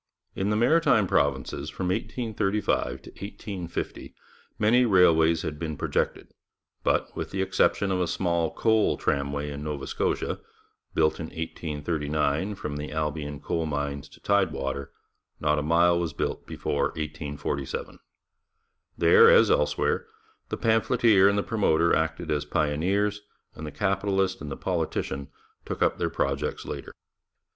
In the Maritime Provinces, from 1835 to 1850, many railways had been projected, but, with the exception of a small coal tramway in Nova Scotia, built in 1839 from the Albion coal mines to tide water, not a mile was built before 1847. There, as elsewhere, the pamphleteer and the promoter acted as pioneers, and the capitalist and the politician took up their projects later.